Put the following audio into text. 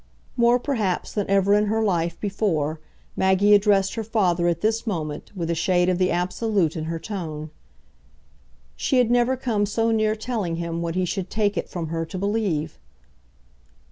More perhaps than ever in her life before Maggie addressed her father at this moment with a shade of the absolute in her tone. She had never come so near telling him what he should take it from her to believe.